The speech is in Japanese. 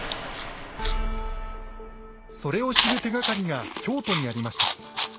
それを知る手がかりが京都にありました。